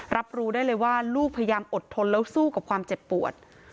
รับรู้ได้เลยว่าลูกพยายามอดทนแล้วสู้กับความเจ็บปวด